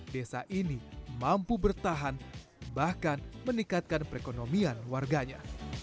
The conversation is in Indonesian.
desa ini mampu bertahan bahkan meningkatkan perekonomian warganya